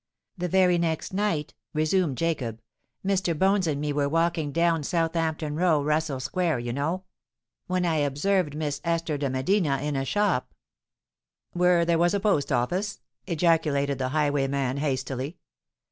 "The very next night," resumed Jacob, "Mr. Bones and me were walking down Southampton Row, Russell Square, you know—when I observed Miss Esther de Medina in a shop——" "Where there was a post office?" ejaculated the highwayman, hastily.